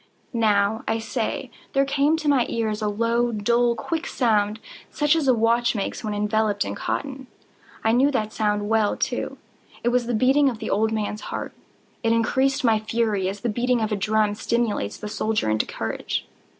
—now, I say, there came to my ears a low, dull, quick sound, such as a watch makes when enveloped in cotton. I knew that sound well, too. It was the beating of the old man's heart. It increased my fury, as the beating of a drum stimulates the soldier into courage.